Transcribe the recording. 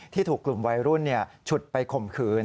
ถูกกลุ่มวัยรุ่นฉุดไปข่มขืน